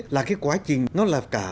là cái quá trình nó là cả